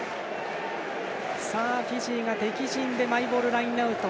フィジーが敵陣でマイボールラインアウト。